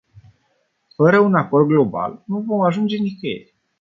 Fără un acord global, nu vom ajunge nicăieri.